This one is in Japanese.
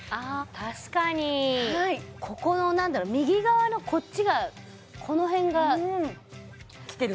確かにここの何だろ右側のこっちがこの辺がきてる？